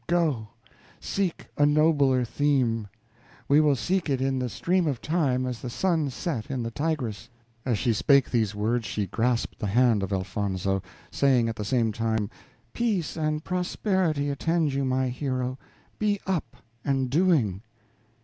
Go, seek a nobler theme! we will seek it in the stream of time as the sun set in the Tigris." As she spake these words she grasped the hand of Elfonzo, saying at the same time, "Peace and prosperity attend you, my hero: be up and doing!"